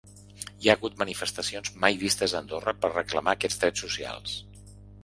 Hi ha hagut manifestacions mai vistes a Andorra per a reclamar aquests drets socials.